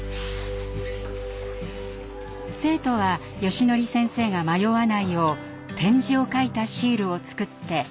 生徒はよしのり先生が迷わないよう点字を書いたシールを作って貼っていきました。